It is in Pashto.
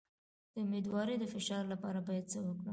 د امیدوارۍ د فشار لپاره باید څه وکړم؟